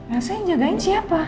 elsa yang jagain siapa